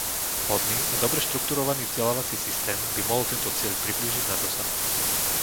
Vhodný a dobre štruktúrovaný vzdelávací systém by mohol tento cieľ priblížiť na dosah.